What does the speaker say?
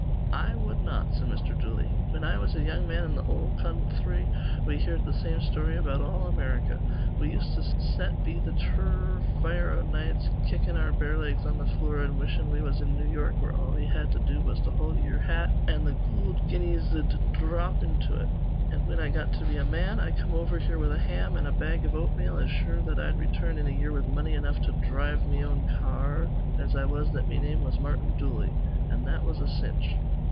"I wud not," said Mr. Dooley. "Whin I was a young man in th' ol' counthry, we heerd th' same story about all America. We used to set be th' tur rf fire o' nights, kickin' our bare legs on th' flure an' wishin' we was in New York, where all ye had to do was to hold ye'er hat an' th' goold guineas'd dhrop into it. An' whin I got to be a man, I come over here with a ham and a bag iv oatmeal, as sure that I'd return in a year with money enough to dhrive me own ca ar as I was that me name was Martin Dooley. An' that was a cinch.